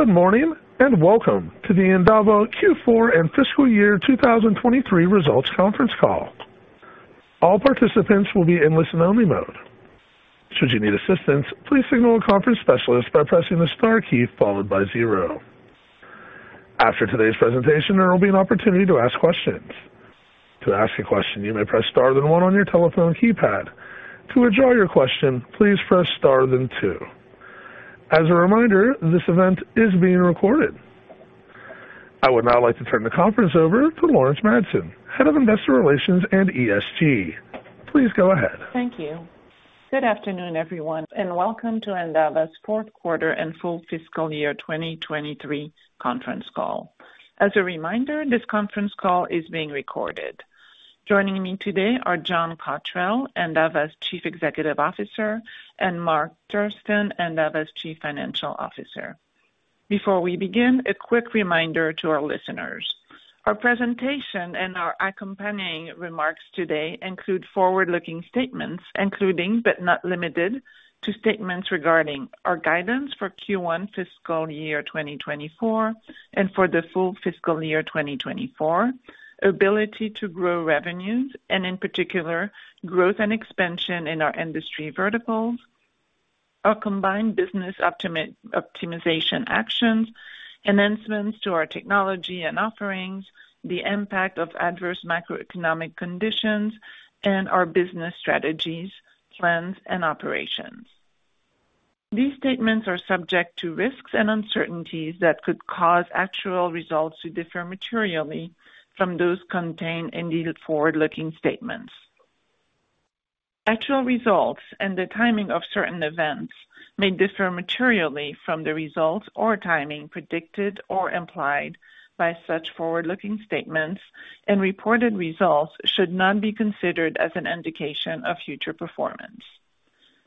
Good morning, and welcome to the Endava Q4 and Fiscal Year 2023 Results Conference Call. All participants will be in listen-only mode. Should you need assistance, please signal a conference specialist by pressing the star key followed by zero. After today's presentation, there will be an opportunity to ask questions. To ask a question, you may press star then one on your telephone keypad. To withdraw your question, please press star then two. As a reminder, this event is being recorded. I would now like to turn the conference over to Laurence Madsen, Head of Investor Relations and ESG. Please go ahead. Thank you. Good afternoon, everyone, and welcome to Endava's fourth quarter and full fiscal year 2023 conference call. As a reminder, this conference call is being recorded. Joining me today are John Cottrell, Endava's Chief Executive Officer, and Mark Thurston, Endava's Chief Financial Officer. Before we begin, a quick reminder to our listeners. Our presentation and our accompanying remarks today include forward-looking statements, including but not limited to statements regarding our guidance for Q1 fiscal year 2024 and for the full fiscal year 2024, ability to grow revenues, and in particular, growth and expansion in our industry verticals, our combined business optimization actions, enhancements to our technology and offerings, the impact of adverse macroeconomic conditions, and our business strategies, plans, and operations. These statements are subject to risks and uncertainties that could cause actual results to differ materially from those contained in these forward-looking statements. Actual results and the timing of certain events may differ materially from the results or timing predicted or implied by such forward-looking statements, and reported results should not be considered as an indication of future performance.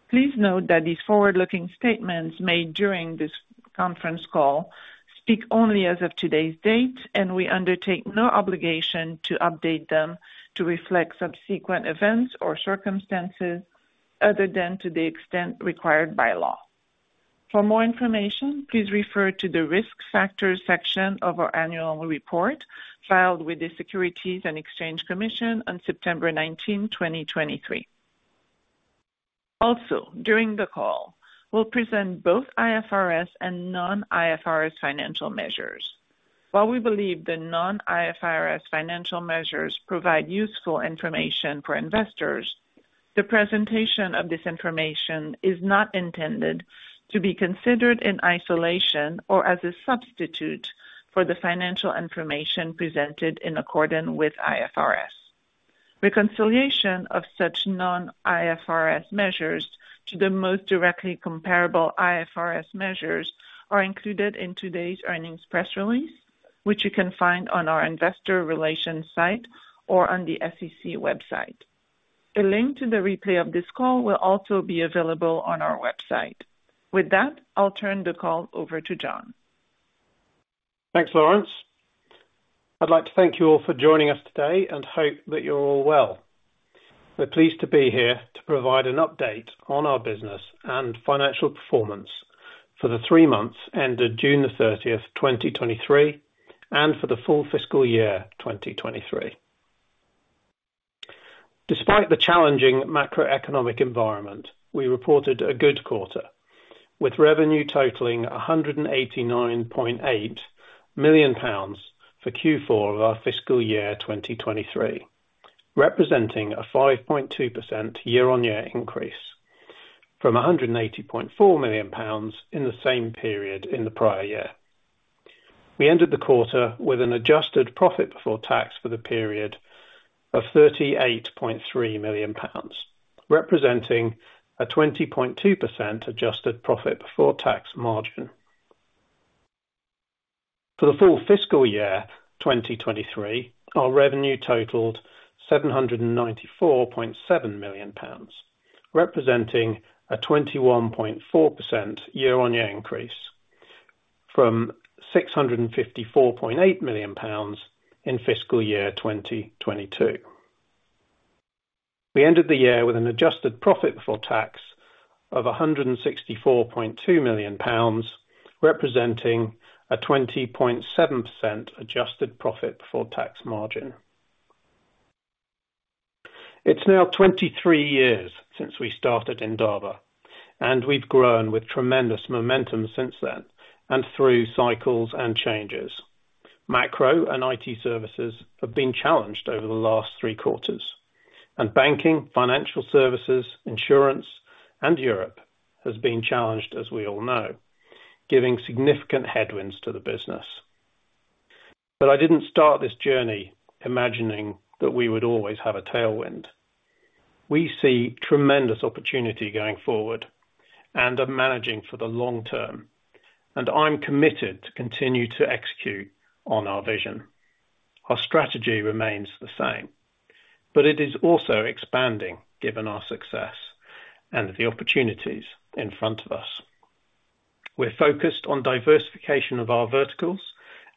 Please note that these forward-looking statements made during this conference call speak only as of today's date, and we undertake no obligation to update them to reflect subsequent events or circumstances other than to the extent required by law. For more information, please refer to the Risk Factors section of our annual report, filed with the Securities and Exchange Commission on September 19, 2023. Also, during the call, we'll present both IFRS and non-IFRS financial measures. While we believe the non-IFRS financial measures provide useful information for investors, the presentation of this information is not intended to be considered in isolation or as a substitute for the financial information presented in accordance with IFRS. Reconciliation of such non-IFRS measures to the most directly comparable IFRS measures are included in today's earnings press release, which you can find on our investor relations site or on the SEC website. A link to the replay of this call will also be available on our website. With that, I'll turn the call over to John. Thanks, Laurence. I'd like to thank you all for joining us today and hope that you're all well. We're pleased to be here to provide an update on our business and financial performance for the three months ended June 30, 2023, and for the full fiscal year 2023. Despite the challenging macroeconomic environment, we reported a good quarter, with revenue totaling GBP 189.8 million for Q4 of our fiscal year 2023, representing a 5.2% year-on-year increase from 180.4 million pounds in the same period in the prior year. We ended the quarter with an adjusted profit before tax for the period of 38.3 million pounds, representing a 20.2% adjusted profit before tax margin. For the full fiscal year 2023, our revenue totaled 794.7 million pounds, representing a 21.4% year-on-year increase from 654.8 million pounds in fiscal year 2022. We ended the year with an adjusted profit before tax of 164.2 million pounds, representing a 20.7% adjusted profit before tax margin. It's now 23 years since we started Endava, and we've grown with tremendous momentum since then and through cycles and changes. Macro and IT services have been challenged over the last three quarters, and banking, financial services, insurance, and Europe has been challenged, as we all know, giving significant headwinds to the business. But I didn't start this journey imagining that we would always have a tailwind. We see tremendous opportunity going forward and are managing for the long term, and I'm committed to continue to execute on our vision. Our strategy remains the same, but it is also expanding given our success and the opportunities in front of us. We're focused on diversification of our verticals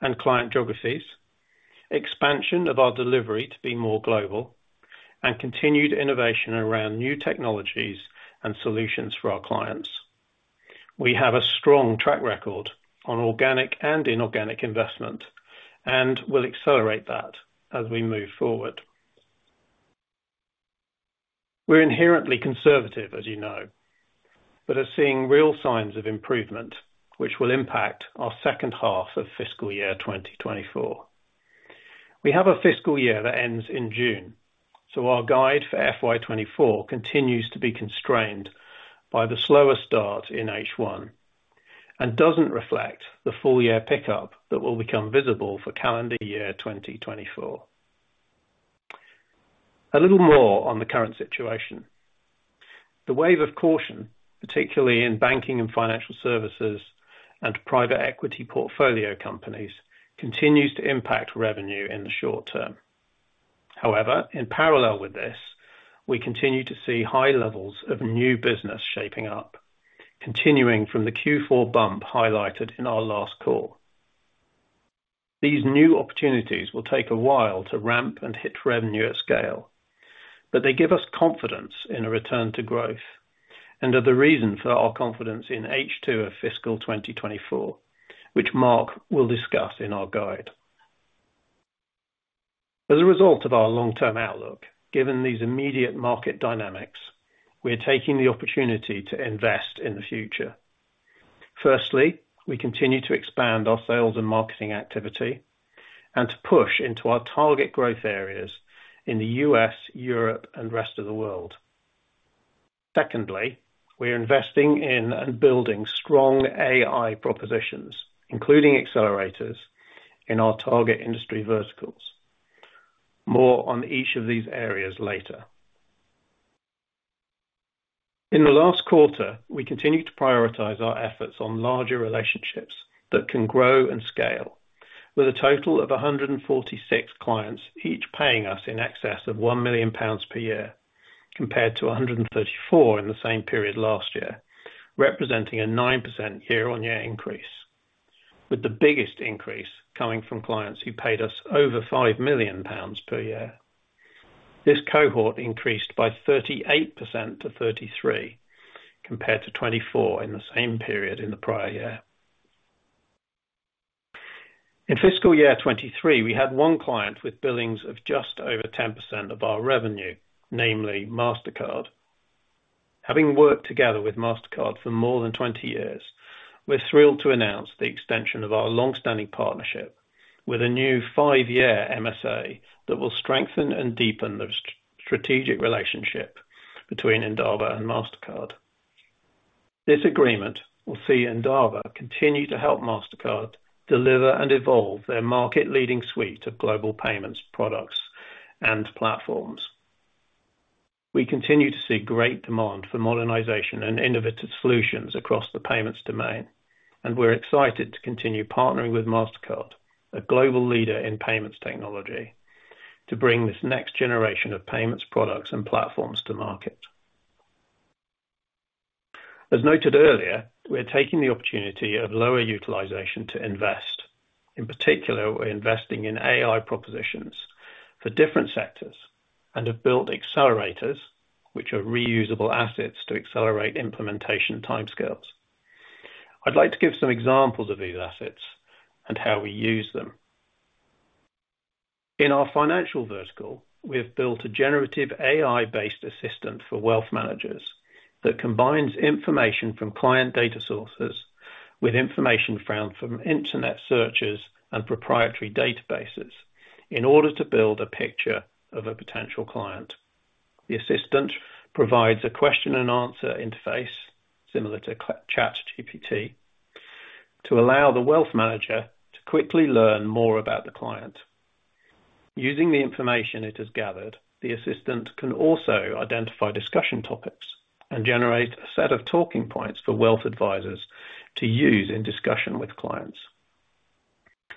and client geographies, expansion of our delivery to be more global, and continued innovation around new technologies and solutions for our clients. We have a strong track record on organic and inorganic investment, and we'll accelerate that as we move forward. We're inherently conservative, as you know, but are seeing real signs of improvement, which will impact our second half of fiscal year 2024. We have a fiscal year that ends in June, so our guide for FY 2024 continues to be constrained by the slower start in H1 and doesn't reflect the full year pickup that will become visible for calendar year 2024. A little more on the current situation. The wave of caution, particularly in banking and financial services and private equity portfolio companies, continues to impact revenue in the short term. However, in parallel with this, we continue to see high levels of new business shaping up, continuing from the Q4 bump highlighted in our last call. These new opportunities will take a while to ramp and hit revenue at scale, but they give us confidence in a return to growth and are the reason for our confidence in H2 of fiscal 2024, which Mark will discuss in our guide. As a result of our long-term outlook, given these immediate market dynamics, we are taking the opportunity to invest in the future. Firstly, we continue to expand our sales and marketing activity and to push into our target growth areas in the U.S., Europe, and rest of the world. Secondly, we are investing in and building strong AI propositions, including accelerators in our target industry verticals. More on each of these areas later. In the last quarter, we continued to prioritize our efforts on larger relationships that can grow and scale, with a total of 146 clients, each paying us in excess of 1 million pounds per year, compared to 134 in the same period last year, representing a 9% year-on-year increase, with the biggest increase coming from clients who paid us over 5 million pounds per year. This cohort increased by 38% to 33, compared to 24 in the same period in the prior year. In fiscal year 2023, we had one client with billings of just over 10% of our revenue, namely Mastercard. Having worked together with Mastercard for more than 20 years, we're thrilled to announce the extension of our long-standing partnership with a new five-year MSA that will strengthen and deepen the strategic relationship between Endava and Mastercard. This agreement will see Endava continue to help Mastercard deliver and evolve their market-leading suite of global payments, products, and platforms. We continue to see great demand for modernization and innovative solutions across the payments domain, and we're excited to continue partnering with Mastercard, a global leader in payments technology, to bring this next generation of payments products and platforms to market. As noted earlier, we're taking the opportunity of lower utilization to invest. In particular, we're investing in AI propositions for different sectors and have built accelerators, which are reusable assets to accelerate implementation timescales. I'd like to give some examples of these assets and how we use them. In our financial vertical, we have built a generative AI-based assistant for wealth managers that combines information from client data sources with information found from internet searches and proprietary databases in order to build a picture of a potential client. The assistant provides a question and answer interface, similar to ChatGPT, to allow the wealth manager to quickly learn more about the client. Using the information it has gathered, the assistant can also identify discussion topics and generate a set of talking points for wealth advisors to use in discussion with clients.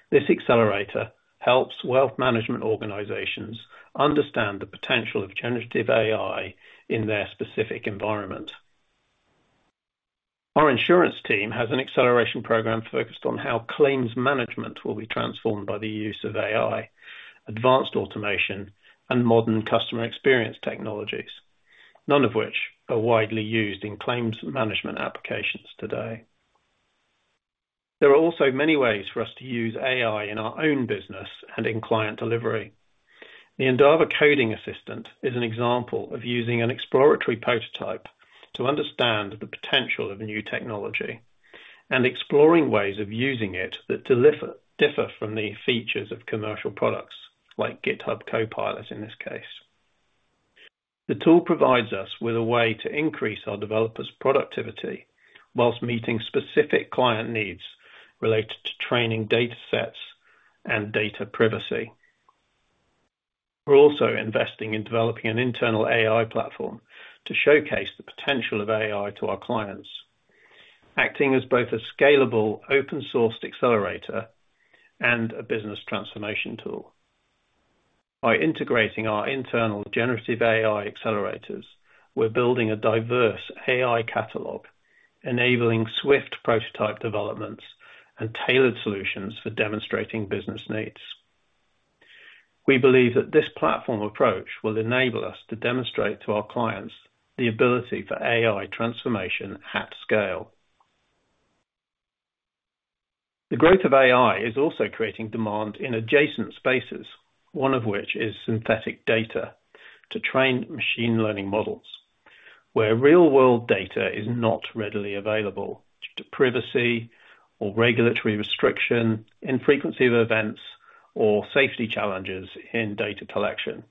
This accelerator helps wealth management organizations understand the potential of generative AI in their specific environment. Our insurance team has an acceleration program focused on how claims management will be transformed by the use of AI, advanced automation, and modern customer experience technologies, none of which are widely used in claims management applications today. There are also many ways for us to use AI in our own business and in client delivery. The Endava coding assistant is an example of using an exploratory prototype to understand the potential of a new technology and exploring ways of using it that differ from the features of commercial products, like GitHub Copilot, in this case. The tool provides us with a way to increase our developers' productivity while meeting specific client needs related to training data sets and data privacy. We're also investing in developing an internal AI platform to showcase the potential of AI to our clients, acting as both a scalable, open-sourced accelerator and a business transformation tool. By integrating our internal generative AI accelerators, we're building a diverse AI catalog, enabling swift prototype developments and tailored solutions for demonstrating business needs. We believe that this platform approach will enable us to demonstrate to our clients the ability for AI transformation at scale. The growth of AI is also creating demand in adjacent spaces, one of which is synthetic data, to train machine learning models, where real-world data is not readily available due to privacy or regulatory restriction, infrequency of events, or safety challenges in data collection.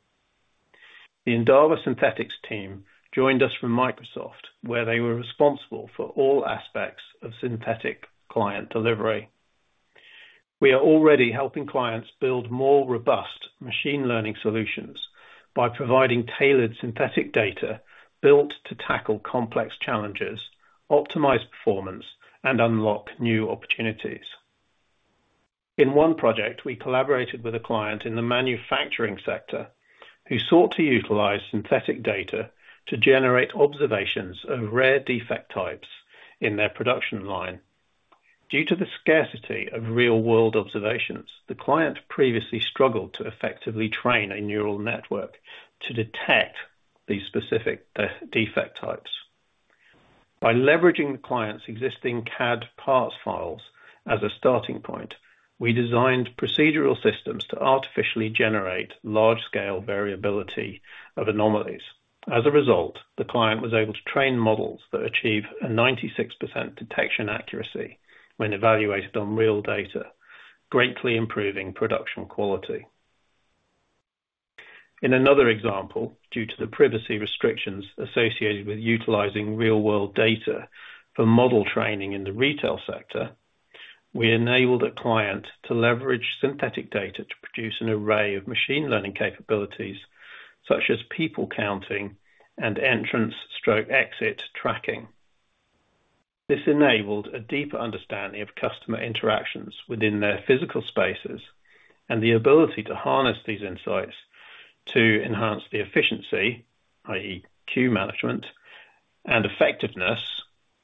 The Endava Synthetics team joined us from Microsoft, where they were responsible for all aspects of synthetic client delivery. We are already helping clients build more robust machine learning solutions by providing tailored synthetic data built to tackle complex challenges, optimize performance, and unlock new opportunities. In one project, we collaborated with a client in the manufacturing sector, who sought to utilize synthetic data to generate observations of rare defect types in their production line. Due to the scarcity of real-world observations, the client previously struggled to effectively train a neural network to detect these specific defect types. By leveraging the client's existing CAD parts files as a starting point, we designed procedural systems to artificially generate large-scale variability of anomalies. As a result, the client was able to train models that achieve a 96% detection accuracy when evaluated on real data, greatly improving production quality. In another example, due to the privacy restrictions associated with utilizing real-world data for model training in the retail sector, we enabled a client to leverage synthetic data to produce an array of machine learning capabilities, such as people counting and entrance/exit tracking. This enabled a deeper understanding of customer interactions within their physical spaces, and the ability to harness these insights to enhance the efficiency, i.e., queue management and effectiveness,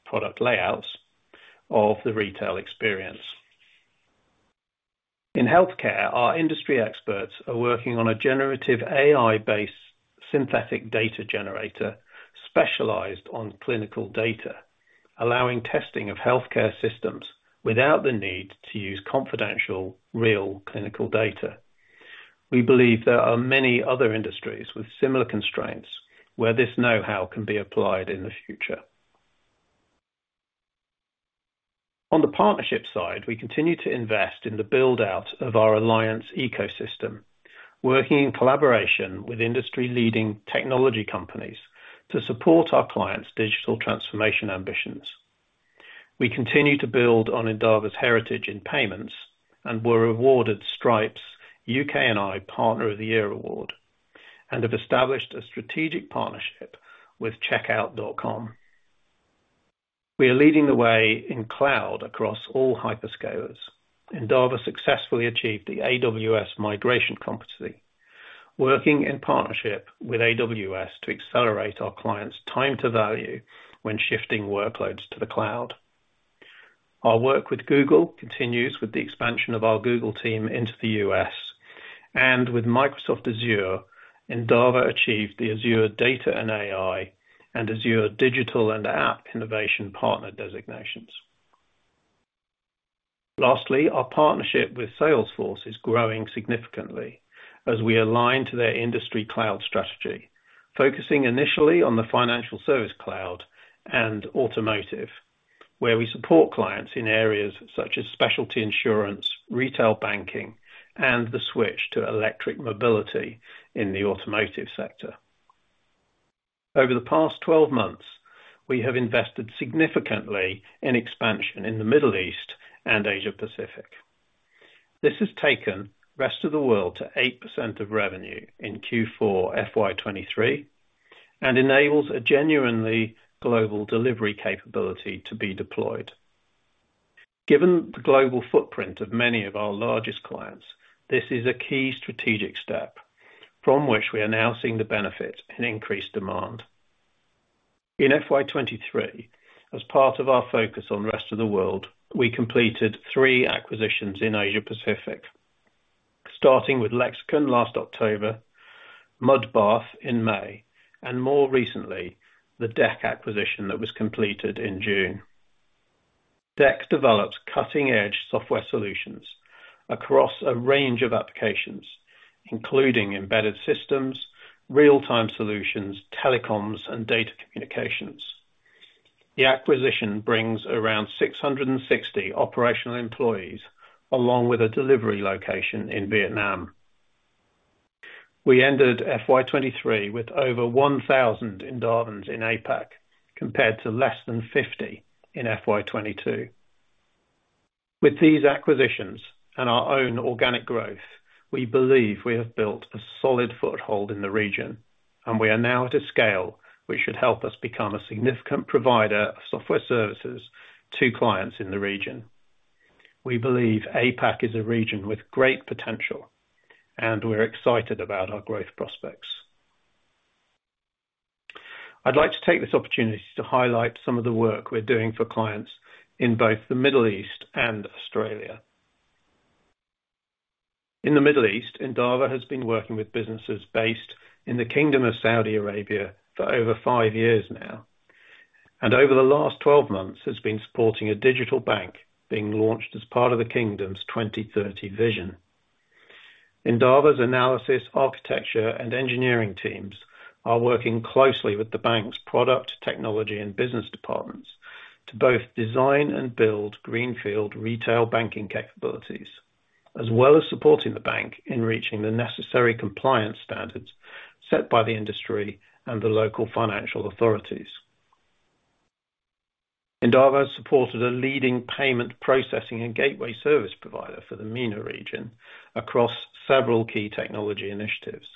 product layouts, of the retail experience. In healthcare, our industry experts are working on a generative AI-based synthetic data generator specialized on clinical data, allowing testing of healthcare systems without the need to use confidential, real clinical data. We believe there are many other industries with similar constraints where this know-how can be applied in the future. On the partnership side, we continue to invest in the build-out of our alliance ecosystem, working in collaboration with industry-leading technology companies to support our clients' digital transformation ambitions. We continue to build on Endava's heritage in payments, and were awarded Stripe's U.K. and I Partner of the Year Award, and have established a strategic partnership with Checkout.com. We are leading the way in cloud across all hyperscalers. Endava successfully achieved the AWS Migration Competency, working in partnership with AWS to accelerate our clients' time to value when shifting workloads to the cloud. Our work with Google continues with the expansion of our Google team into the U.S., and with Microsoft Azure, Endava achieved the Azure Data and AI and Azure Digital and App Innovation Partner designations. Lastly, our partnership with Salesforce is growing significantly as we align to their industry cloud strategy, focusing initially on the Financial Service Cloud and automotive, where we support clients in areas such as specialty insurance, retail banking, and the switch to electric mobility in the automotive sector. Over the past 12 months, we have invested significantly in expansion in the Middle East and Asia Pacific. This has taken rest of the world to 8% of revenue in Q4 FY 2023, and enables a genuinely global delivery capability to be deployed. Given the global footprint of many of our largest clients, this is a key strategic step from which we are now seeing the benefit in increased demand. In FY 2023, as part of our focus on the rest of the world, we completed 3 acquisitions in Asia Pacific, starting with Lexicon last October, Mudbath in May, and more recently, the DEK acquisition that was completed in June. DEK develops cutting-edge software solutions across a range of applications, including embedded systems, real-time solutions, telecoms, and data communications. The acquisition brings around 660 operational employees, along with a delivery location in Vietnam. We ended FY 2023 with over 1,000 Endavans in APAC, compared to less than 50 in FY 2022. With these acquisitions and our own organic growth, we believe we have built a solid foothold in the region, and we are now at a scale which should help us become a significant provider of software services to clients in the region. We believe APAC is a region with great potential, and we're excited about our growth prospects. I'd like to take this opportunity to highlight some of the work we're doing for clients in both the Middle East and Australia. In the Middle East, Endava has been working with businesses based in the Kingdom of Saudi Arabia for over five years now, and over the last 12 months has been supporting a digital bank being launched as part of the Kingdom's 2030 vision. Endava's analysis, architecture, and engineering teams are working closely with the bank's product, technology, and business departments to both design and build greenfield retail banking capabilities, as well as supporting the bank in reaching the necessary compliance standards set by the industry and the local financial authorities. Endava supported a leading payment processing and gateway service provider for the MENA region across several key technology initiatives.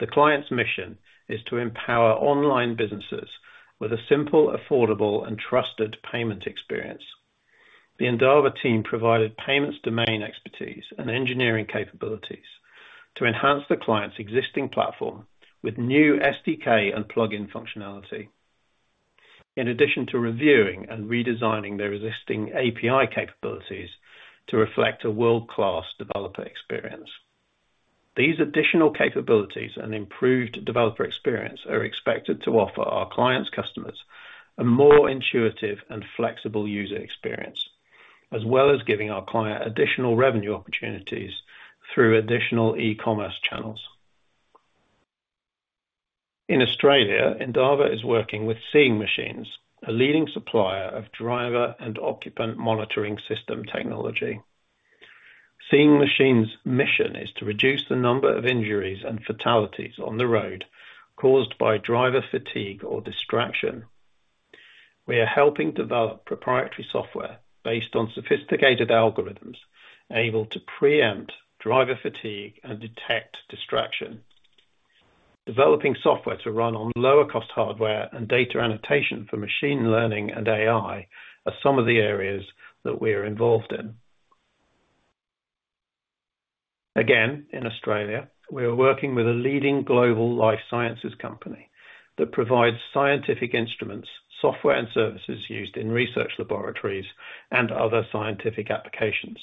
The client's mission is to empower online businesses with a simple, affordable, and trusted payment experience. The Endava team provided payments, domain expertise, and engineering capabilities to enhance the client's existing platform with new SDK and plug-in functionality, in addition to reviewing and redesigning their existing API capabilities to reflect a world-class developer experience. These additional capabilities and improved developer experience are expected to offer our clients' customers a more intuitive and flexible user experience, as well as giving our client additional revenue opportunities through additional e-commerce channels. In Australia, Endava is working with Seeing Machines, a leading supplier of driver and occupant monitoring system technology. Seeing Machines' mission is to reduce the number of injuries and fatalities on the road caused by driver fatigue or distraction. We are helping develop proprietary software based on sophisticated algorithms, able to preempt driver fatigue and detect distraction. Developing software to run on lower cost hardware and data annotation for machine learning and AI are some of the areas that we are involved in. Again, in Australia, we are working with a leading global life sciences company that provides scientific instruments, software and services used in research laboratories and other scientific applications,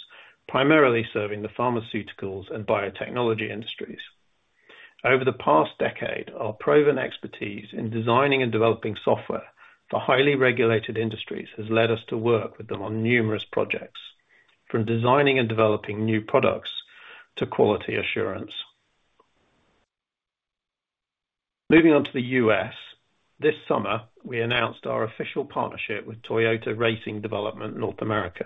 primarily serving the pharmaceuticals and biotechnology industries. Over the past decade, our proven expertise in designing and developing software for highly regulated industries has led us to work with them on numerous projects, from designing and developing new products to quality assurance. Moving on to the U.S., this summer, we announced our official partnership with Toyota Racing Development North America.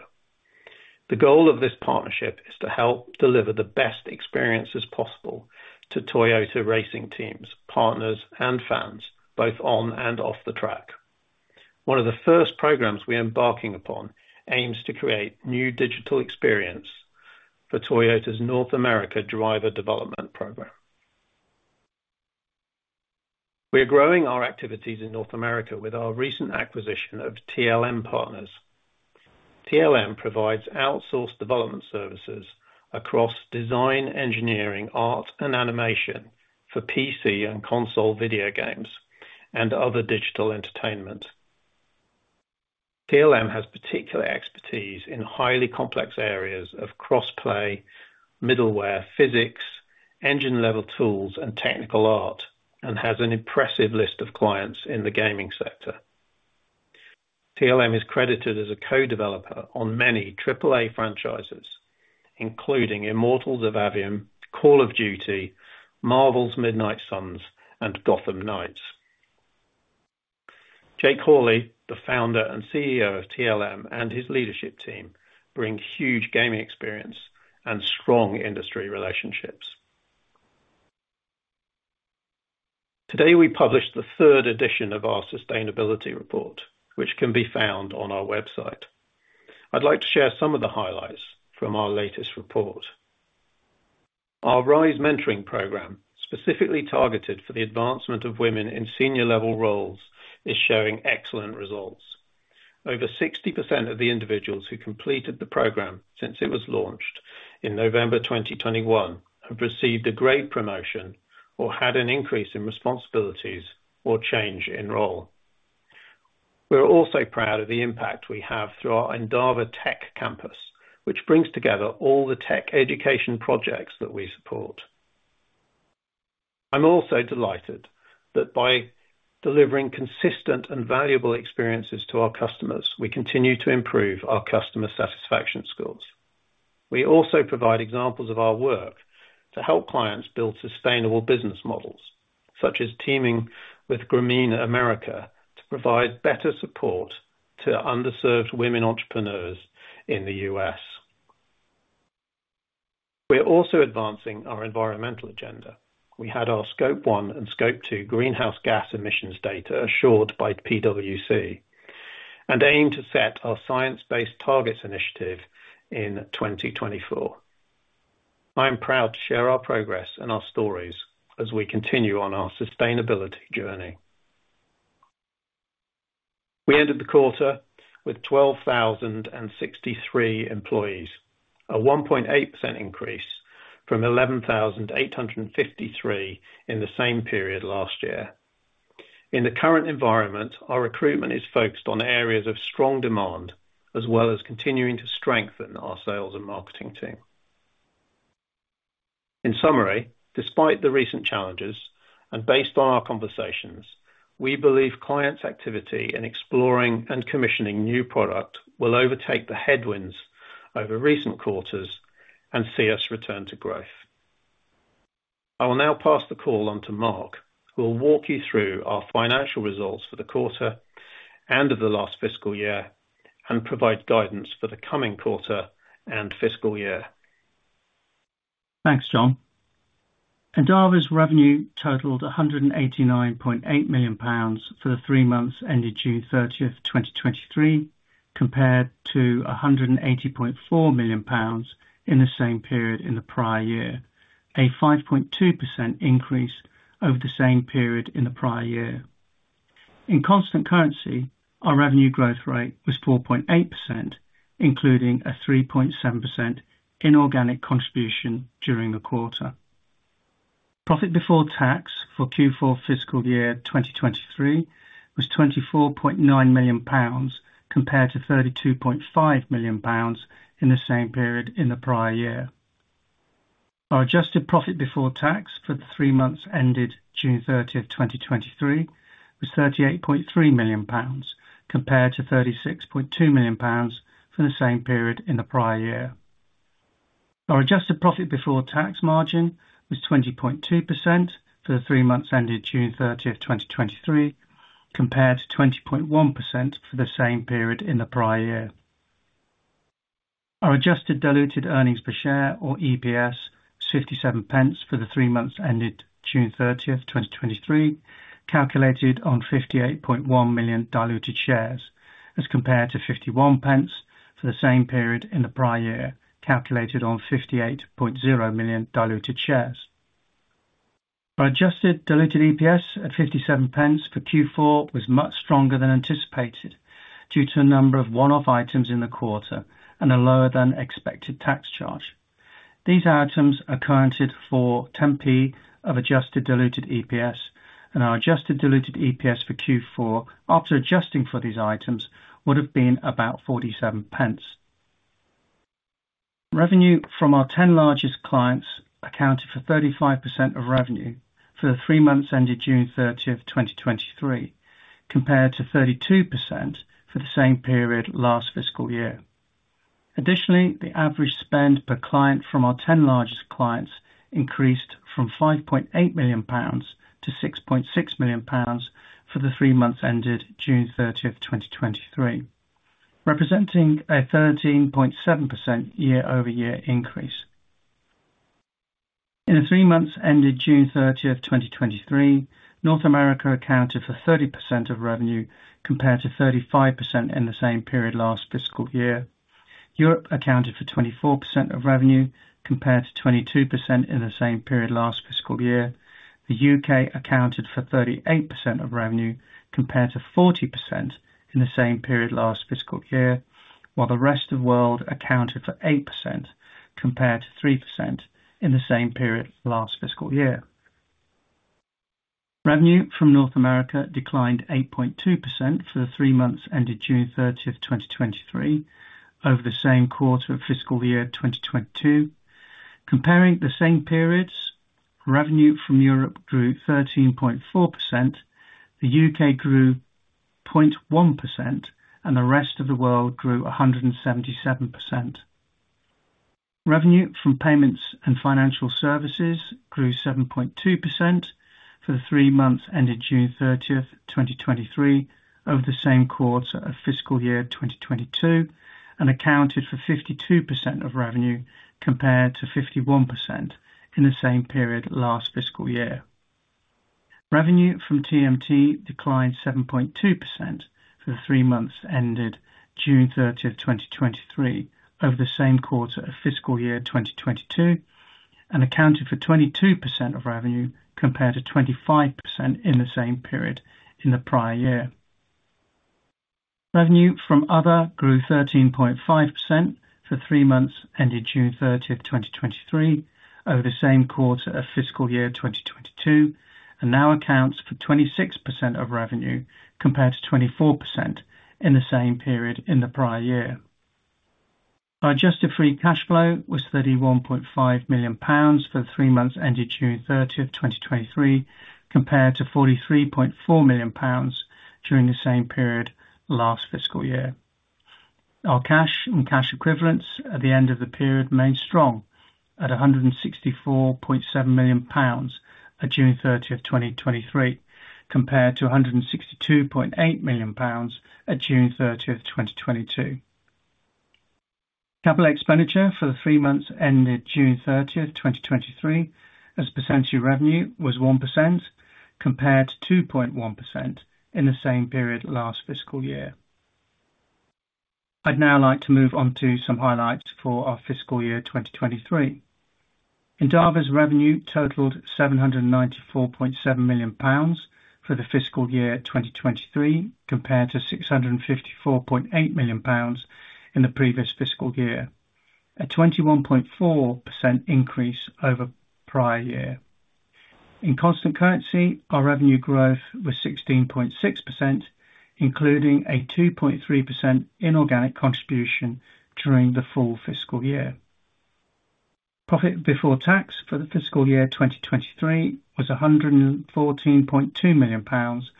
The goal of this partnership is to help deliver the best experiences possible to Toyota racing teams, partners, and fans, both on and off the track. One of the first programs we are embarking upon aims to create new digital experience for Toyota Racing Development North America's Driver Development Program. We are growing our activities in North America with our recent acquisition of TLM Partners. TLM provides outsourced development services across design, engineering, art, and animation for PC and console video games, and other digital entertainment. TLM has particular expertise in highly complex areas of crossplay, middleware, physics, engine-level tools, and technical art, and has an impressive list of clients in the gaming sector. TLM is credited as a co-developer on many triple A franchises, including Immortals of Aveum, Call of Duty, Marvel's Midnight Suns, and Gotham Knights. Jake Hawley, the founder and CEO of TLM, and his leadership team, bring huge gaming experience and strong industry relationships. Today, we published the third edition of our sustainability report, which can be found on our website. I'd like to share some of the highlights from our latest report. Our Rise mentoring program, specifically targeted for the advancement of women in senior level roles, is showing excellent results. Over 60% of the individuals who completed the program since it was launched in November 2021, have received a grade promotion or had an increase in responsibilities or change in role. We're also proud of the impact we have through our Endava Tech Campus, which brings together all the tech education projects that we support. I'm also delighted that by delivering consistent and valuable experiences to our customers, we continue to improve our customer satisfaction scores. We also provide examples of our work to help clients build sustainable business models, such as teaming with Grameen America to provide better support to underserved women entrepreneurs in the U.S. We are also advancing our environmental agenda. We had our Scope 1 and Scope 2 greenhouse gas emissions data assured by PwC, and aim to set our Science Based Targets Initiative in 2024. I am proud to share our progress and our stories as we continue on our sustainability journey. We ended the quarter with 12,063 employees, a 1.8 increase from 11,853 in the same period last year. In the current environment, our recruitment is focused on areas of strong demand, as well as continuing to strengthen our sales and marketing team. In summary, despite the recent challenges and based on our conversations, we believe clients' activity in exploring and commissioning new product will overtake the headwinds over recent quarters and see us return to growth. I will now pass the call on to Mark, who will walk you through our financial results for the quarter and of the last fiscal year, and provide guidance for the coming quarter and fiscal year. Thanks, John. Endava's revenue totaled 189.8 million pounds for the three months ended June thirtieth, 2023, compared to 180.4 million pounds in the same period in the prior year. A 5.2% increase over the same period in the prior year. In constant currency, our revenue growth rate was 4.8%, including a 3.7% inorganic contribution during the quarter. Profit before tax for Q4 fiscal year 2023 was 24.9 million pounds, compared to 32.5 million pounds in the same period in the prior year. Our adjusted profit before tax for the three months ended June thirtieth, 2023, was 38.3 million pounds, compared to 36.2 million pounds for the same period in the prior year. Our adjusted profit before tax margin was 20.2% for the three months ended June 30, 2023, compared to 20.1% for the same period in the prior year. Our adjusted diluted earnings per share or EPS, 0.57 for the three months ended June 30, 2023, calculated on 58.1 million diluted shares, as compared to 0.51 for the same period in the prior year, calculated on 58.0 million diluted shares. Our adjusted diluted EPS at 0.57 for Q4 was much stronger than anticipated, due to a number of one-off items in the quarter and a lower than expected tax charge. These items accounted for 0.10 of adjusted diluted EPS, and our adjusted diluted EPS for Q4, after adjusting for these items, would have been about 0.47. Revenue from our 10 largest clients accounted for 35% of revenue for the three months ended June 30, 2023, compared to 32% for the same period last fiscal year. Additionally, the average spend per client from our 10 largest clients increased from 5.8 million pounds to 6.6 million pounds for the three months ended June 30, 2023, representing a 13.7% year-over-year increase. In the three months ended June 30, 2023, North America accounted for 30% of revenue, compared to 35% in the same period last fiscal year. Europe accounted for 24% of revenue, compared to 22% in the same period last fiscal year. The U.K. accounted for 38% of revenue, compared to 40% in the same period last fiscal year, while the rest of world accounted for 8%, compared to 3% in the same period last fiscal year. Revenue from North America declined 8.2% for the three months ended June 30, 2023, over the same quarter of fiscal year 2022. Comparing the same periods, revenue from Europe grew 13.4%, the U.K. grew 0.1%, and the rest of the world grew 177%. Revenue from payments and financial services grew 7.2% for the three months ended June 30, 2023, over the same quarter of fiscal year 2022, and accounted for 52% of revenue, compared to 51% in the same period last fiscal year. Revenue from TMT declined 7.2% for the three months ended June 30, 2023, over the same quarter of fiscal year 2022, and accounted for 22% of revenue, compared to 25% in the same period in the prior year. Revenue from other grew 13.5% for three months, ended June 30, 2023, over the same quarter of fiscal year 2022, and now accounts for 26% of revenue, compared to 24% in the same period in the prior year. Our adjusted free cash flow was 31.5 million pounds for the three months ended June 30, 2023, compared to 43.4 million pounds during the same period last fiscal year. Our cash and cash equivalents at the end of the period remained strong at 164.7 million pounds at June thirtieth, 2023, compared to 162.8 million pounds at June thirtieth, 2022. Capital expenditure for the three months ended June thirtieth, 2023, as a percentage of revenue, was 1%, compared to 2.1% in the same period last fiscal year.... I'd now like to move on to some highlights for our fiscal year 2023. Endava's revenue totaled 794.7 million pounds for the fiscal year 2023, compared to 654.8 million pounds in the previous fiscal year, a 21.4% increase over prior year. In constant currency, our revenue growth was 16.6%, including a 2.3% inorganic contribution during the full fiscal year. Profit before tax for the fiscal year 2023 was 114.2 million pounds,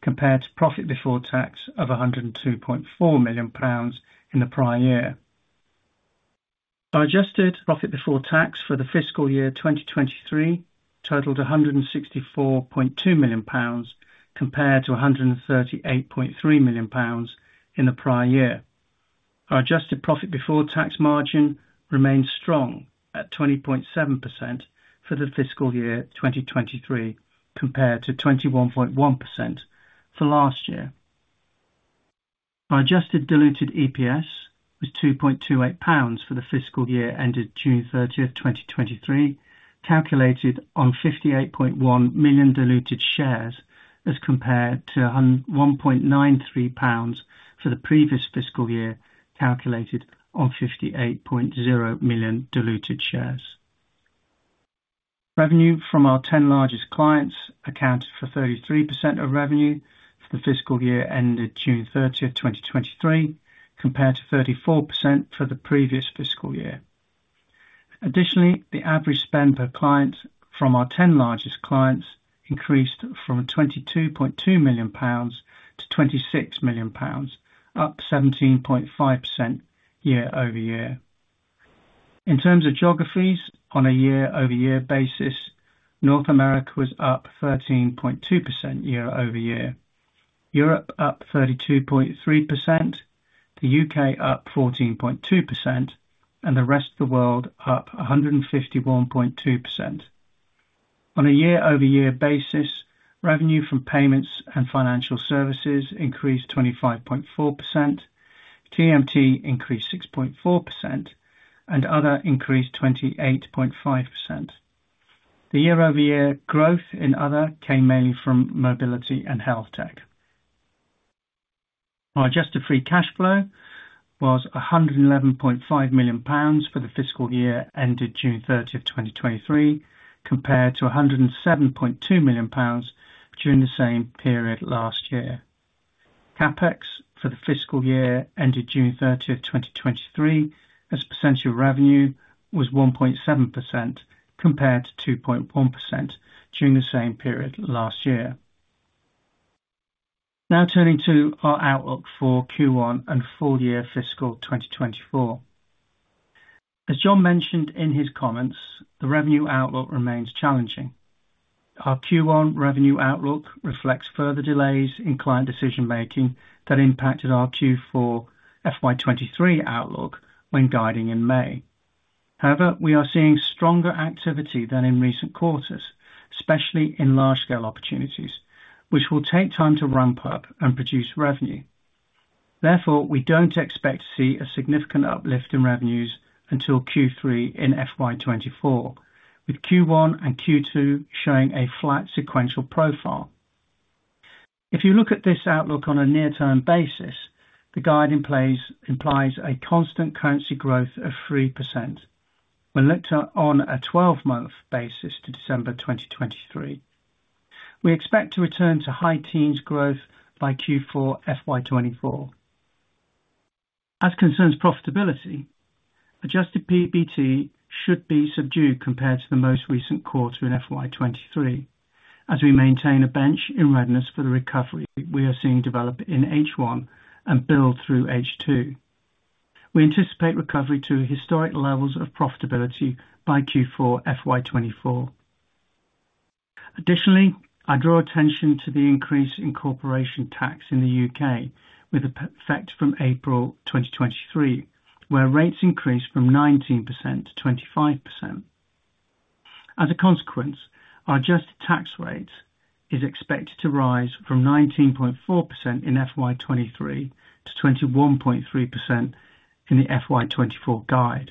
compared to profit before tax of 102.4 million pounds in the prior year. Our adjusted profit before tax for the fiscal year 2023 totaled 164.2 million pounds, compared to 138.3 million pounds in the prior year. Our adjusted profit before tax margin remained strong at 20.7% for the fiscal year 2023, compared to 21.1% for last year. Our adjusted diluted EPS was 2.28 pounds for the fiscal year ended June thirtieth, 2023, calculated on 58.1 million diluted shares as compared to 1.93 pounds for the previous fiscal year, calculated on 58.0 million diluted shares. Revenue from our 10 largest clients accounted for 33% of revenue for the fiscal year ended June thirtieth, 2023, compared to 34% for the previous fiscal year. Additionally, the average spend per client from our 10 largest clients increased from 22.2 million pounds to 26 million pounds, up 17.5% year-over-year. In terms of geographies on a year-over-year basis, North America was up 13.2% year over year, Europe up 32.3%, the U.K. up 14.2%, and the rest of the world up 151.2%. On a year-over-year basis, revenue from payments and financial services increased 25.4%, TMT increased 6.4%, and other increased 28.5%. The year-over-year growth in other came mainly from mobility and health tech. Our adjusted free cash flow was 111.5 million pounds for the fiscal year ended June 30, 2023, compared to 107.2 million pounds during the same period last year. CapEx for the fiscal year ended June 30, 2023, as a percentage of revenue, was 1.7%, compared to 2.1% during the same period last year. Now turning to our outlook for Q1 and full year fiscal 2024. As John mentioned in his comments, the revenue outlook remains challenging. Our Q1 revenue outlook reflects further delays in client decision-making that impacted our Q4 FY 2023 outlook when guiding in May. However, we are seeing stronger activity than in recent quarters, especially in large-scale opportunities, which will take time to ramp up and produce revenue. Therefore, we don't expect to see a significant uplift in revenues until Q3 in FY 2024, with Q1 and Q2 showing a flat sequential profile. If you look at this outlook on a near-term basis, the guide in place implies a constant currency growth of 3% when looked at on a twelve-month basis to December 2023. We expect to return to high teens growth by Q4 FY 2024. As concerns profitability, adjusted PBT should be subdued compared to the most recent quarter in FY 2023, as we maintain a bench in readiness for the recovery we are seeing develop in H1 and build through H2. We anticipate recovery to historic levels of profitability by Q4 FY 2024. Additionally, I draw attention to the increase in corporation tax in the U.K., with effect from April 2023, where rates increased from 19% to 25%. As a consequence, our adjusted tax rate is expected to rise from 19.4% in FY 2023 to 21.3% in the FY 2024 guide.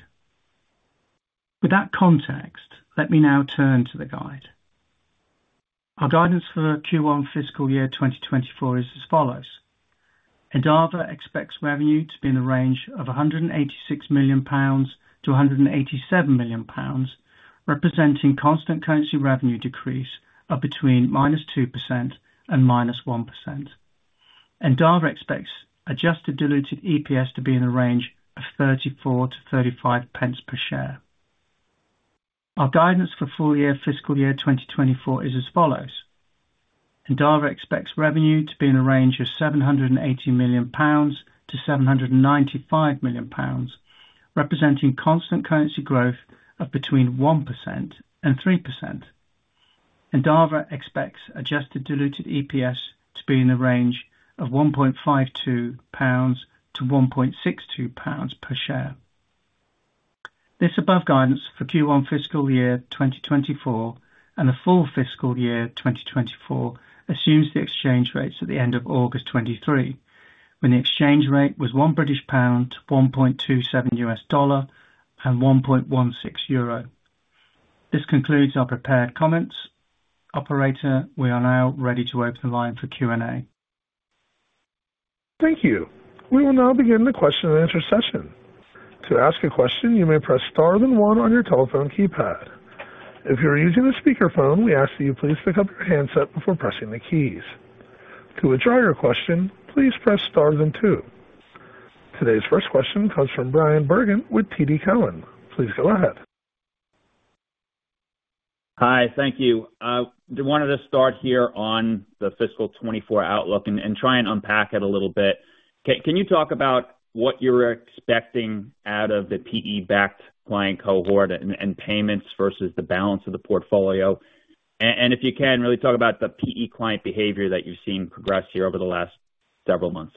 With that context, let me now turn to the guide. Our guidance for the Q1 fiscal year 2024 is as follows: Endava expects revenue to be in the range of 186 million-187 million pounds, representing constant currency revenue decrease of between -2% and -1%. Endava expects adjusted diluted EPS to be in the range of 34-35 pence per share. Our guidance for full year, fiscal year 2024 is as follows: Endava expects revenue to be in a range of 780 million-795 million pounds, representing constant currency growth of between 1% and 3%. Endava expects adjusted diluted EPS to be in the range of 1.52 GBP-1.62 GBP per share. This above guidance for Q1 fiscal year 2024, and the full fiscal year 2024 assumes the exchange rates at the end of August 2023, when the exchange rate was 1 British pound to 1.27 U.S. dollars and 1.16 euros. This concludes our prepared comments. Operator, we are now ready to open the line for Q&A. Thank you. We will now begin the question and answer session. To ask a question, you may press star then one on your telephone keypad. If you're using a speakerphone, we ask that you please pick up your handset before pressing the keys. To withdraw your question, please press star then two. Today's first question comes from Bryan Bergin with TD Cowen. Please go ahead. Hi, thank you. I wanted to start here on the fiscal 2024 outlook and try and unpack it a little bit. Can you talk about what you're expecting out of the PE-backed client cohort and payments versus the balance of the portfolio? And if you can, really talk about the PE client behavior that you've seen progress here over the last several months.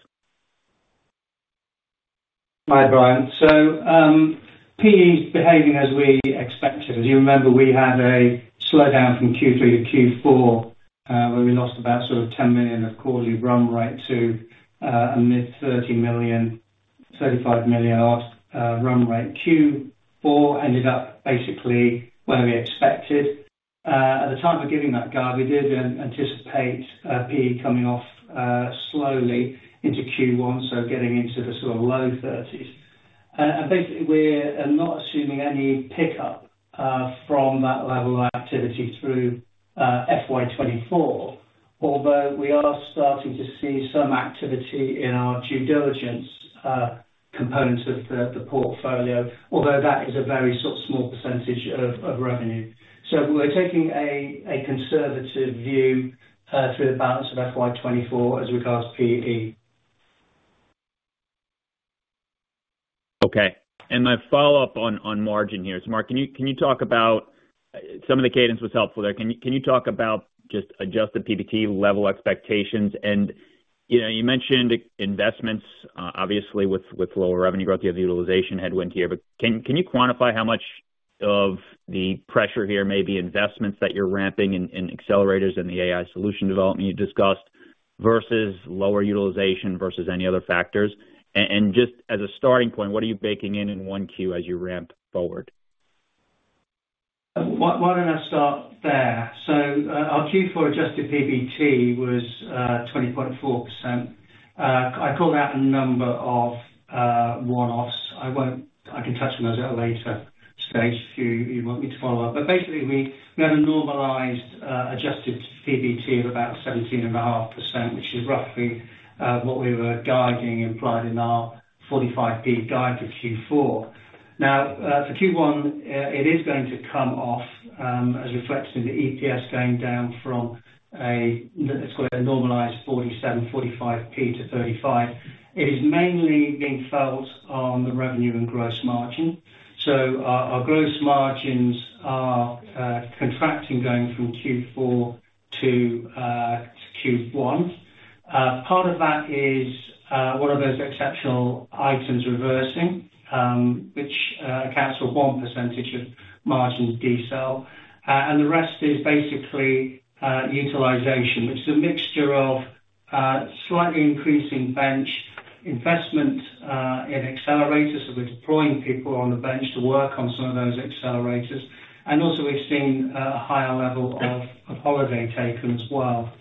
Hi, Bryan. So, PE is behaving as we expected. As you remember, we had a slowdown from Q3 to Q4, where we lost about sort of 10 million of quarterly run rate to a mid-30 million-35 million run rate. Q4 ended up basically where we expected. At the time of giving that guide, we did anticipate PE coming off slowly into Q1, so getting into the sort of low 30s. And basically, we're not assuming any pickup from that level of activity through FY 2024. Although we are starting to see some activity in our due diligence components of the portfolio, although that is a very sort of small percentage of revenue. So we're taking a conservative view through the balance of FY 2024 as regards to PE. Okay, and my follow-up on margin here. So Mark, can you talk about... Some of the cadence was helpful there. Can you talk about just adjusted PBT level expectations? And, you know, you mentioned investments, obviously with lower revenue growth, you have the utilization headwind here. But can you quantify how much of the pressure here may be investments that you're ramping in accelerators and the AI solution development you discussed, versus lower utilization, versus any other factors? And just as a starting point, what are you baking in in 1Q as you ramp forward? Why, why don't I start there? So, our Q4 adjusted PBT was 20.4%. I called out a number of one-offs. I won't—I can touch on those at a later stage if you want me to follow up. But basically, we had a normalized adjusted PBT of about 17.5%, which is roughly what we were guiding, implied in our 45p guide for Q4. Now, for Q1, it is going to come off, as reflected in the EPS going down from a, let's call it a normalized 47p, 45p to 35p. It is mainly being felt on the revenue and gross margin. So our gross margins are contracting, going from Q4 to Q1. Part of that is one of those exceptional items reversing, which accounts for 1% of margins decel. And the rest is basically utilization, which is a mixture of slightly increasing bench investment in accelerators. So we're deploying people on the bench to work on some of those accelerators. And also we've seen a higher level of holiday taken as well.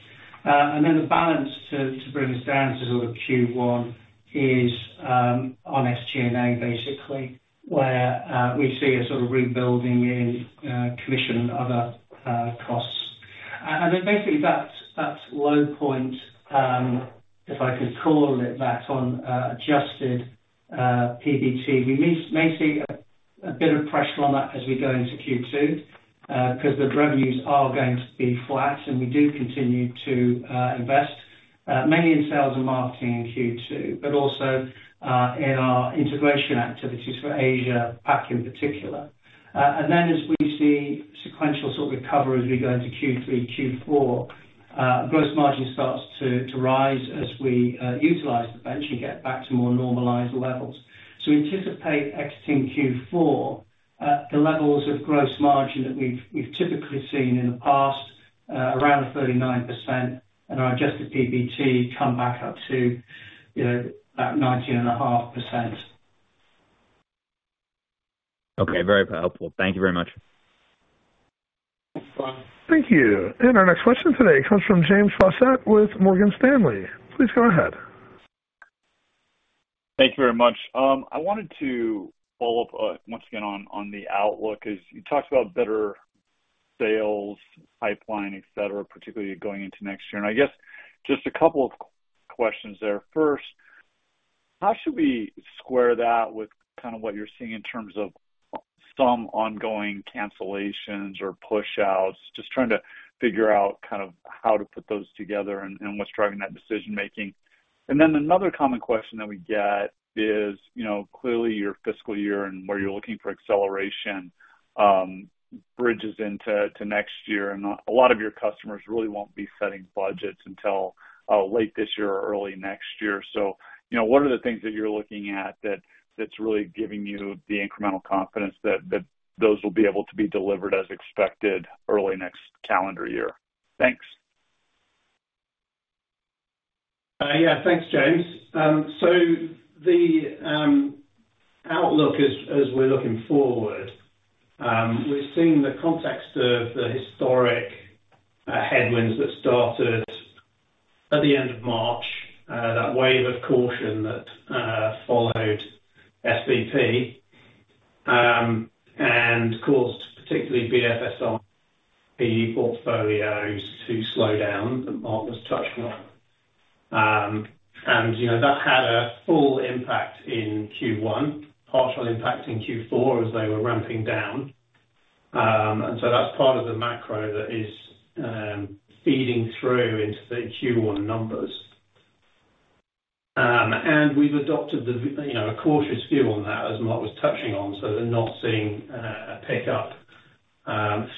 And then the balance to bring us down to sort of Q1 is on SG&A, basically, where we see a sort of rebuilding in commission and other costs. Basically, that low point, if I could call it that, on adjusted PBT, we may see a bit of pressure on that as we go into Q2, because the revenues are going to be flat, and we do continue to invest, mainly in sales and marketing in Q2, but also in our integration activities for Asia Pacific in particular. Then as we see sequential sort of recovery as we go into Q3, Q4, gross margin starts to rise as we utilize the bench and get back to more normalized levels. We anticipate exiting Q4 at the levels of gross margin that we've typically seen in the past, around 39%, and our adjusted PBT come back up to, you know, about 19.5%. Okay, very helpful. Thank you very much. Thanks, Brian. Thank you. Our next question today comes from James Faucette with Morgan Stanley. Please go ahead. Thank you very much. I wanted to follow up, once again on, on the outlook, as you talked about better sales pipeline, et cetera, particularly going into next year. And I guess just a couple of questions there. First, how should we square that with kind of what you're seeing in terms of some ongoing cancellations or push outs? Just trying to figure out kind of how to put those together and, and what's driving that decision making. And then another common question that we get is, you know, clearly your fiscal year and where you're looking for acceleration... bridges into, to next year, and a lot of your customers really won't be setting budgets until, late this year or early next year. You know, what are the things that you're looking at, that's really giving you the incremental confidence that those will be able to be delivered as expected early next calendar year? Thanks. Yeah, thanks, James. The outlook as we're looking forward, we've seen the context of the historic headwinds that started at the end of March, that wave of caution that followed SDT and caused, particularly BFSI, the portfolios to slow down, that Mark was touching on. You know, that had a full impact in Q1, partial impact in Q4 as they were ramping down. That's part of the macro that is feeding through into the Q1 numbers. We've adopted a cautious view on that, as Mark was touching on, so we're not seeing a pickup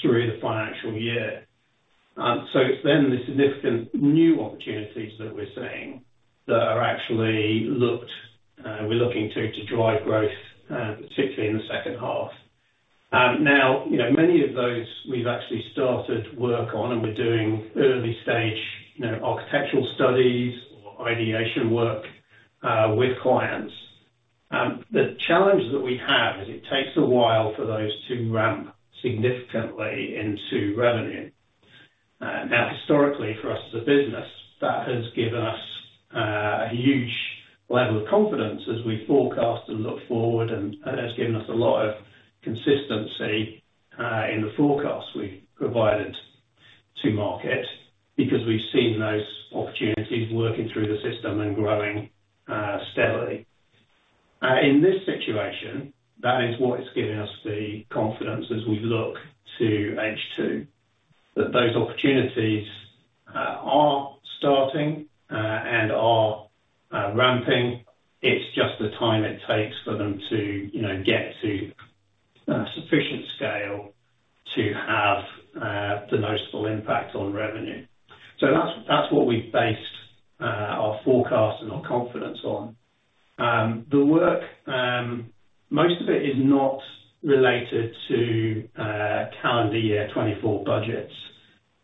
through the financial year. It's then the significant new opportunities that we're seeing, that are actually looked, we're looking to drive growth, particularly in the second half. Now, you know, many of those we've actually started work on, and we're doing early stage, you know, architectural studies or ideation work with clients. The challenge that we have is it takes a while for those to ramp significantly into revenue. Now, historically, for us as a business, that has given us a huge level of confidence as we forecast and look forward, and has given us a lot of consistency in the forecast we've provided to market, because we've seen those opportunities working through the system and growing steadily. In this situation, that is what is giving us the confidence as we look to H2, that those opportunities are starting and are ramping. It's just the time it takes for them to, you know, get to sufficient scale to have the noticeable impact on revenue. So that's, that's what we've based our forecast and our confidence on. The work, most of it is not related to calendar year 2024 budgets.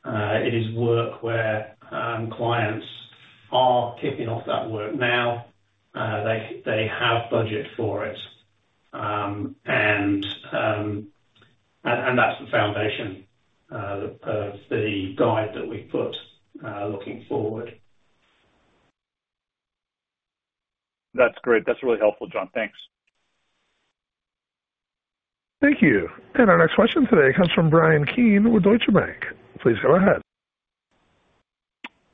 It is work where clients are kicking off that work now. They, they have budget for it. And that's the foundation of the guide that we put looking forward. That's great. That's really helpful, John. Thanks. Thank you. Our next question today comes from Bryan Keane with Deutsche Bank. Please go ahead.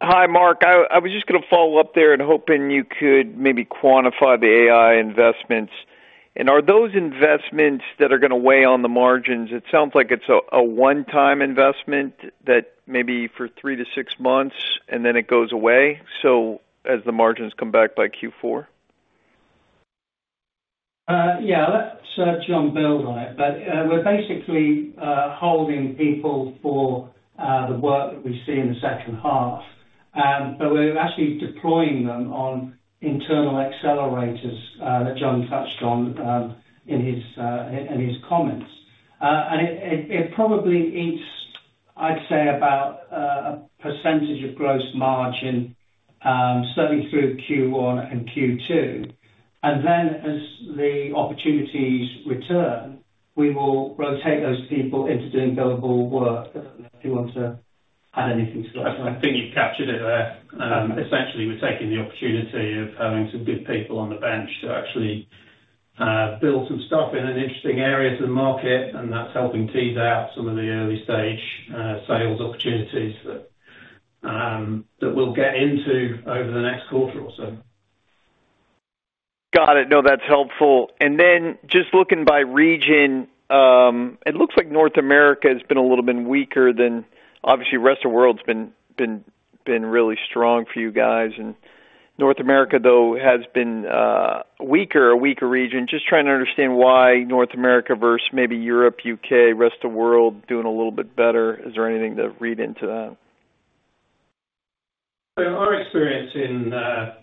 Hi, Mark. I was just gonna follow up there and hoping you could maybe quantify the AI investments. And are those investments that are gonna weigh on the margins? It sounds like it's a one-time investment that maybe for three to six months, and then it goes away, so as the margins come back by Q4. Yeah, let's John build on it, but we're basically holding people for the work that we see in the second half. But we're actually deploying them on internal accelerators that John touched on in his comments. And it probably eats, I'd say, about a percentage of gross margin, certainly through Q1 and Q2. And then as the opportunities return, we will rotate those people into doing billable work. I don't know if you want to add anything to that? I think you've captured it there. Essentially, we're taking the opportunity of having some good people on the bench to actually build some stuff in an interesting area to the market, and that's helping tease out some of the early stage sales opportunities that we'll get into over the next quarter or so. Got it. No, that's helpful. And then just looking by region, it looks like North America has been a little bit weaker than... obviously, the rest of the world's been really strong for you guys. And North America, though, has been weaker, a weaker region. Just trying to understand why North America versus maybe Europe, U.K., rest of world, doing a little bit better. Is there anything to read into that? So our experience in,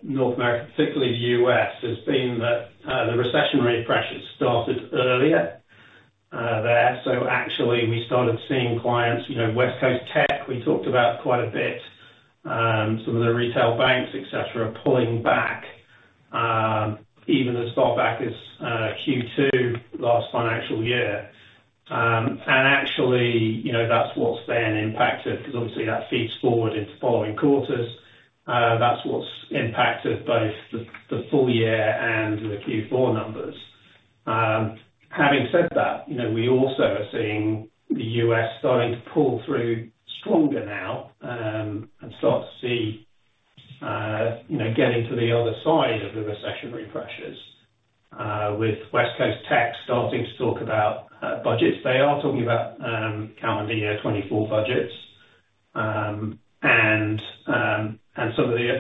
North America, particularly the U.S., has been that, the recessionary pressures started earlier, there. So actually, we started seeing clients, you know, West Coast tech, we talked about quite a bit, some of the retail banks, et cetera, pulling back, even as far back as, Q2 last financial year. And actually, you know, that's what's then impacted, because obviously that feeds forward into following quarters. That's what's impacted both the, the full year and the Q4 numbers. Having said that, you know, we also are seeing the U.S. starting to pull through stronger now, and start to see, you know, getting to the other side of the recessionary pressures, with West Coast tech starting to talk about, budgets. They are talking about, calendar year 2024 budgets.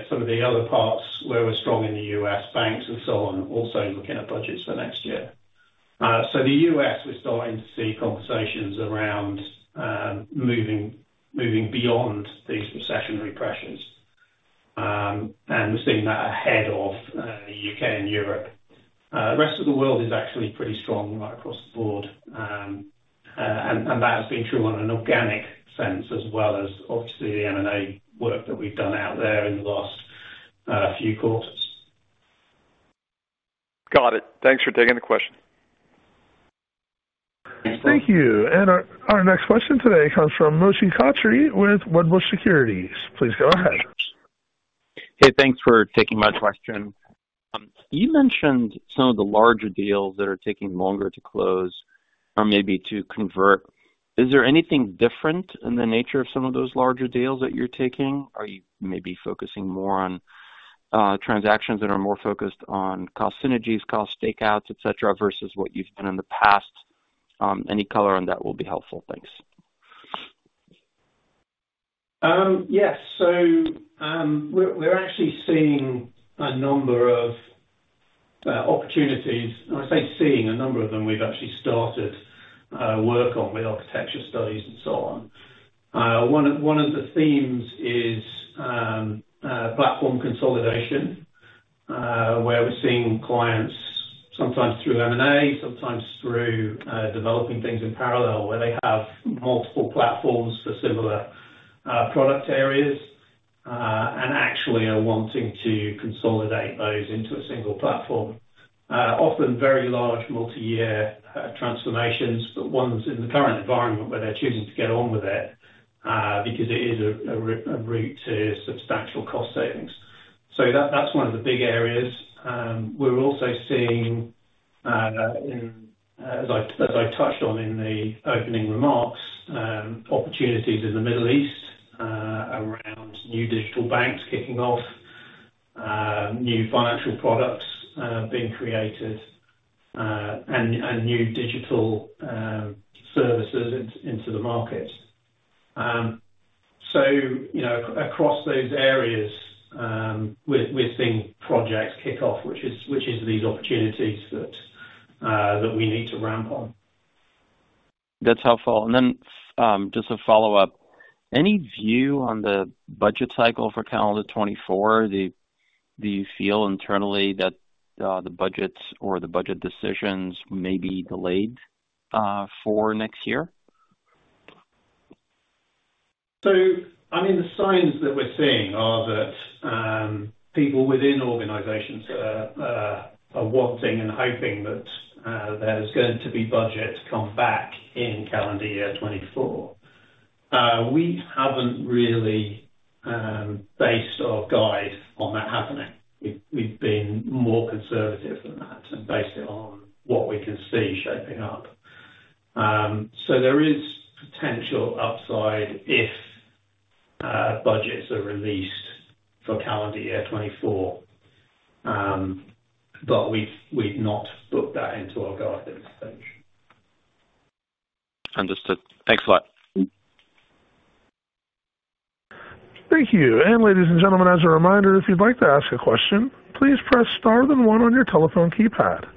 Some of the other parts where we're strong in the U.S., banks and so on, are also looking at budgets for next year. So the U.S., we're starting to see conversations around moving beyond these recessionary pressures. And we're seeing that ahead of the U.K. and Europe. The rest of the world is actually pretty strong right across the board. And that has been true on an organic sense, as well as obviously the M&A work that we've done out there in the last few quarters. Got it. Thanks for taking the question. Thank you. Our next question today comes from Moshe Katri with Wedbush Securities. Please go ahead. Hey, thanks for taking my question. You mentioned some of the larger deals that are taking longer to close or maybe to convert. Is there anything different in the nature of some of those larger deals that you're taking? Are you maybe focusing more on transactions that are more focused on cost synergies, cost takeouts, et cetera, versus what you've done in the past? Any color on that will be helpful. Thanks. Yes. We're actually seeing a number of opportunities, and I say seeing a number of them, we've actually started work on with architecture studies and so on. One of the themes is platform consolidation, where we're seeing clients sometimes through M&A, sometimes through developing things in parallel, where they have multiple platforms for similar product areas, and actually are wanting to consolidate those into a single platform. Often very large multi-year transformations, but ones in the current environment, where they're choosing to get on with it, because it is a route to substantial cost savings. That's one of the big areas. We're also seeing, as I touched on in the opening remarks, opportunities in the Middle East around new digital banks kicking off, new financial products being created, and new digital services into the market. So, you know, across those areas, we're seeing projects kick off, which is these opportunities that we need to ramp on. That's helpful. Just a follow-up, any view on the budget cycle for calendar 2024? Do you feel internally that the budgets or the budget decisions may be delayed for next year? So, I mean, the signs that we're seeing are that people within organizations are wanting and hoping that there's going to be budgets come back in calendar year 2024. We haven't really based our guide on that happening. We've been more conservative than that and based it on what we can see shaping up. So there is potential upside if budgets are released for calendar year 2024, but we've not booked that into our guide at this stage. Understood. Thanks a lot. Thank you. Ladies and gentlemen, as a reminder, if you'd like to ask a question, please press star then one on your telephone keypad.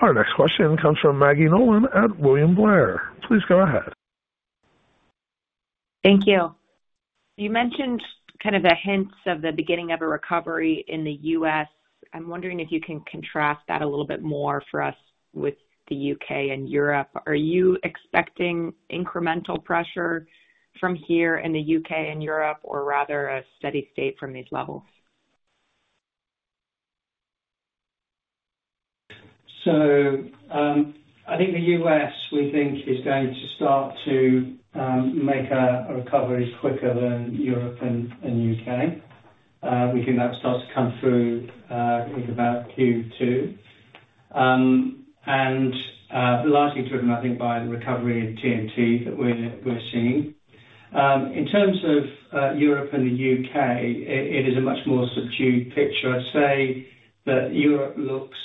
Our next question comes from Maggie Nolan at William Blair. Please go ahead. Thank you. You mentioned kind of the hints of the beginning of a recovery in the U.S. I'm wondering if you can contrast that a little bit more for us with the U.K. and Europe. Are you expecting incremental pressure from here in the U.K. and Europe, or rather a steady state from these levels? So, I think the U.S., we think is going to start to make a recovery quicker than Europe and U.K.. We think that starts to come through in about Q2. And largely driven, I think, by the recovery in TMT that we're seeing. In terms of Europe and the U.K., it is a much more subdued picture. I'd say that Europe looks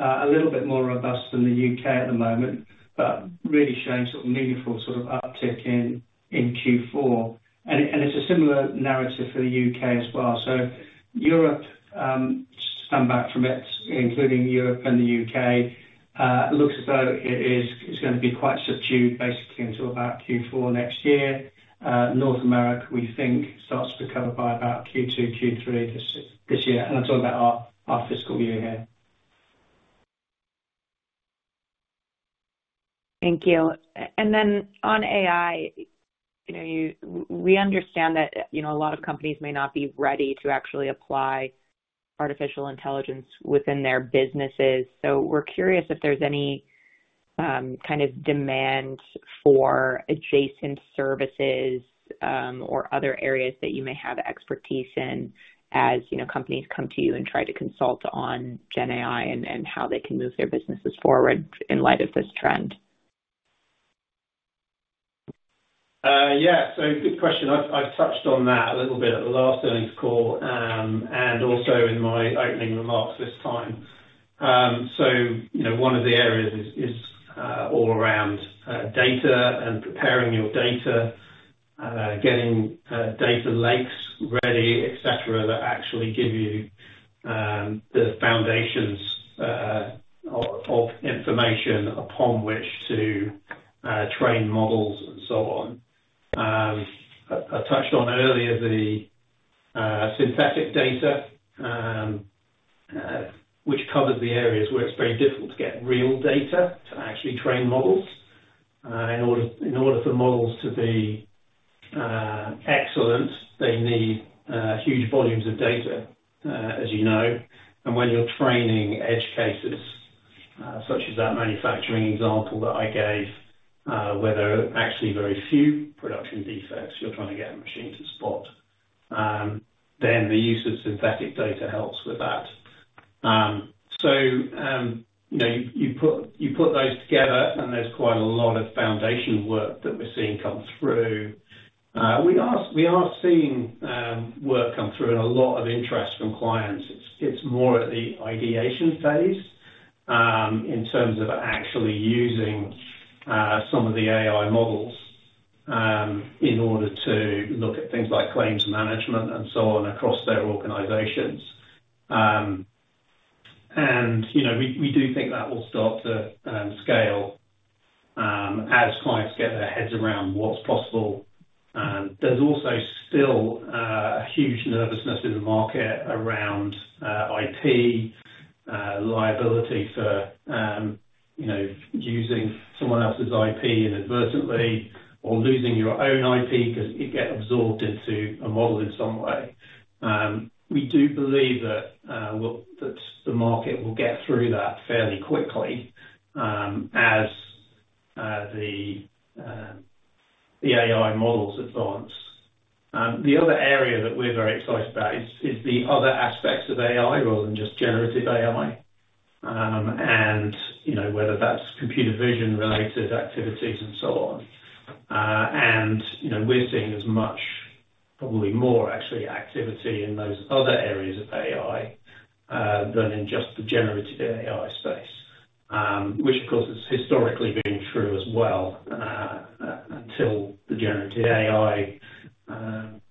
a little bit more robust than the U.K. at the moment, but really showing sort of meaningful sort of uptick in Q4. And it's a similar narrative for the U.K. as well. So Europe, just to come back from it, including Europe and the U.K., looks as though it is going to be quite subdued, basically, until about Q4 next year. North America, we think, starts to recover by about Q2, Q3 this year, and I'm talking about our fiscal year here. Thank you. Then on AI, you know, we understand that, you know, a lot of companies may not be ready to actually apply artificial intelligence within their businesses. So we're curious if there's any kind of demand for adjacent services, or other areas that you may have expertise in, as, you know, companies come to you and try to consult on GenAI and how they can move their businesses forward in light of this trend? Yeah, so good question. I've touched on that a little bit at the last earnings call, and also in my opening remarks this time. So, you know, one of the areas is all around data and preparing your data, getting data lakes ready, et cetera, that actually give you the foundations of information upon which to train models and so on. I touched on earlier the synthetic data, which covers the areas where it's very difficult to get real data to actually train models. In order for models to be excellent, they need huge volumes of data, as you know, and when you're training edge cases, such as that manufacturing example that I gave, where there are actually very few production defects you're trying to get a machine to spot, then the use of synthetic data helps with that. So, you know, you put those together, and there's quite a lot of foundation work that we're seeing come through. We are seeing work come through and a lot of interest from clients. It's more at the ideation phase, in terms of actually using some of the AI models, in order to look at things like claims management and so on across their organizations. And, you know, we do think that will start to scale as clients get their heads around what's possible. There's also still a huge nervousness in the market around IP liability for, you know, using someone else's IP inadvertently, or losing your own IP because it get absorbed into a model in some way. We do believe that the market will get through that fairly quickly as the AI models advance. The other area that we're very excited about is the other aspects of AI rather than just generative AI. And, you know, whether that's computer vision-related activities and so on. You know, we're seeing as much, probably more actually, activity in those other areas of AI than in just the generative AI space, which of course has historically been true as well until the generative AI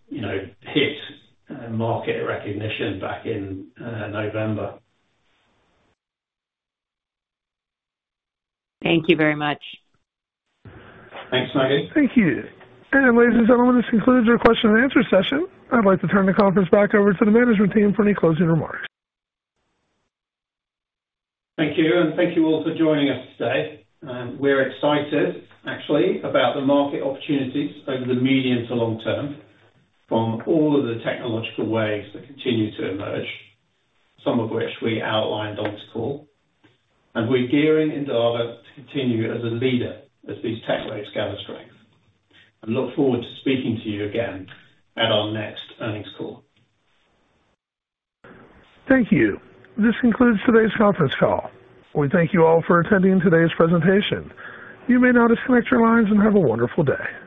you know hit market recognition back in November. Thank you very much. Thanks, Maggie. Thank you. Ladies and gentlemen, this concludes our question and answer session. I'd like to turn the conference back over to the management team for any closing remarks. Thank you, and thank you all for joining us today. We're excited actually, about the market opportunities over the medium to long term from all of the technological waves that continue to emerge, some of which we outlined on this call. We're gearing Endava to continue as a leader as these tech waves gather strength, and look forward to speaking to you again at our next earnings call. Thank you. This concludes today's conference call. We thank you all for attending today's presentation. You may now disconnect your lines and have a wonderful day.